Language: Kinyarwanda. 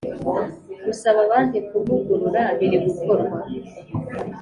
gusaba banki kuvugurura birigukorwa